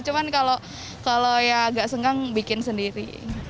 cuman kalau ya agak senggang bikin sendiri